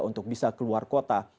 untuk bisa keluar kota